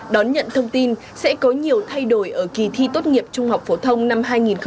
đón nhận thông tin sẽ có nhiều thay đổi ở kỳ thi tốt nghiệp trung học phổ thông năm hai nghìn hai mươi